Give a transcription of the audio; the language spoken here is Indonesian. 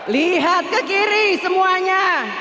lihat ke kiri semuanya